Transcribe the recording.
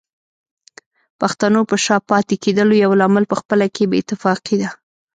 پښتنو په شا پاتې کېدلو يو لامل پخپله کې بې اتفاقي ده